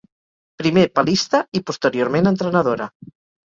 Primer palista i posteriorment entrenadora.